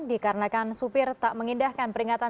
dikarenakan supir tak mengindahkan peringatan